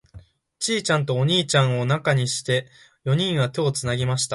ちいちゃんとお兄ちゃんを中にして、四人は手をつなぎました。